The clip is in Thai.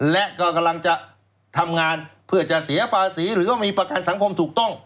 และก็กำลังจะทำงานเพื่อจะเสียภาษีหรือก็มีประกันสังคมถูกต้อง